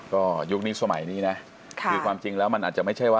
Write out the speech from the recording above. ก็ยุคนี้สมัยนี้นะคือความจริงแล้วมันอาจจะไม่ใช่ว่า